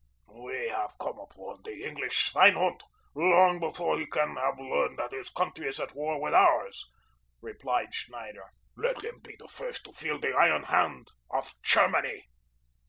"We have come upon the English schweinhund long before he can have learned that his country is at war with ours," replied Schneider. "Let him be the first to feel the iron hand of Germany."